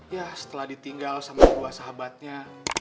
ya setelah ditinggal sama dua sahabatnya